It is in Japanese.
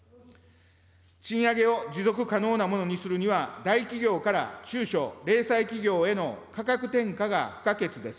賃上げを持続可能なものにするには、大企業から中小零細企業への価格転嫁が不可欠です。